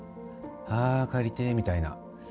あー帰りてーみたいな。